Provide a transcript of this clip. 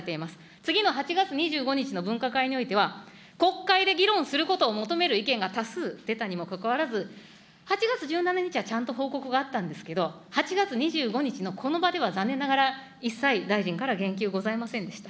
次の８月２５日の分科会においては、国会で議論することを求める意見が多数出たにもかかわらず、８月１７日はちゃんと報告があったんですけれども、８月２５日のこの場では、残念ながら一切、大臣から言及ございませんでした。